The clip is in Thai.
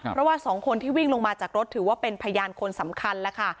เพราะว่าสองคนที่วิ่งลงมาจากรถถือว่าเป็นพยานคนสำคัญแล้วค่ะ